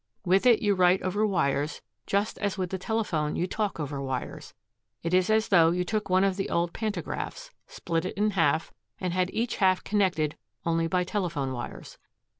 With it you write over wires just as with the telephone you talk over wires. It is as though you took one of the old pantagraphs, split it in half, and had each half connected only by the telephone wires.